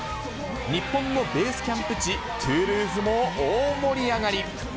日本のベースキャンプ地、トゥールーズも大盛り上がり。